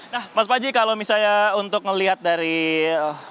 nah mas fadji kalau misalnya untuk ngelihat dari rute perjalanan